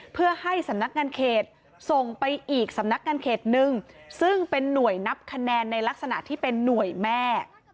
เพื่อให้สำนักงานเขตส่งไปอีกสำนักงานเขตหนึ่งซึ่งเป็นหน่วยนับคะแนนในลักษณะที่เป็นหน่วยแม่